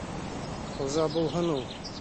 Хужа булһын ул...